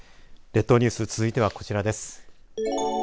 列島ニュース続いては、こちらです。